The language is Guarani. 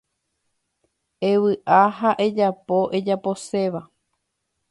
Evy'a ha ejapo ejaposéva.